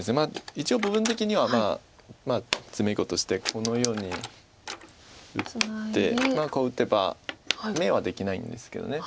一応部分的には詰碁としてこのように打ってこう打てば眼はできないんですけど。